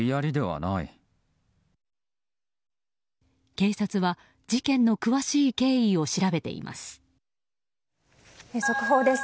警察は事件の詳しい経緯を調べています。